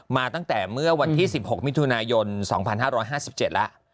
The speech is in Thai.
มาตั้งแต่เมื่อวันที่๑๖มิถุนายน๒๕๕๗แล้ว